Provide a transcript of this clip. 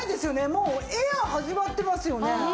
もうエアー始まってますよね。